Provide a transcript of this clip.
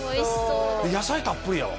野菜たっぷりやわ